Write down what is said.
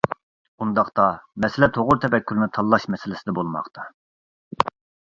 ئۇنداقتا، مەسىلە توغرا تەپەككۇرنى تاللاش مەسىلىسىدە بولماقتا.